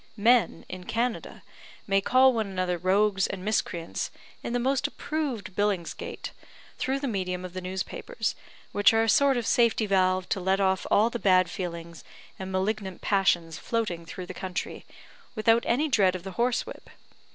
Men, in Canada, may call one another rogues and miscreants, in the most approved Billingsgate, through the medium of the newspapers, which are a sort of safety valve to let off all the bad feelings and malignant passions floating through the country, without any dread of the horsewhip.